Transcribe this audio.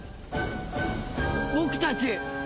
僕たち。